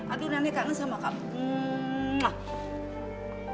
aduh rame kangen sama kamu